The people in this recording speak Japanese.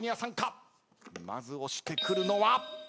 まず押してくるのは。